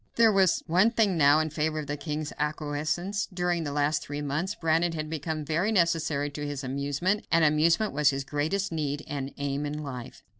There was one thing now in favor of the king's acquiescence: during the last three months Brandon had become very necessary to his amusement, and amusement was his greatest need and aim in life.